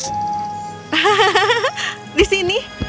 hahaha di sini